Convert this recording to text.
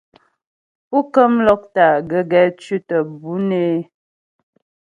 Pú kəm lɔ́kta gəgɛ tʉ̌tə mbʉ̌ nə́ é.